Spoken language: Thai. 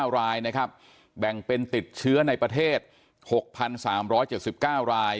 ๙รายนะครับแบ่งเป็นติดเชื้อในประเทศ๖๓๗๙ราย